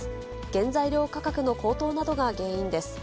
原材料価格の高騰などが原因です。